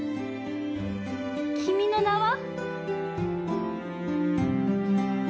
「君の名は。」？